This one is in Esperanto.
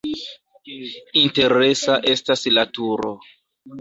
Interesa estas la turo.